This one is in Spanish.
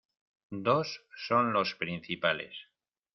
Dos son los principales.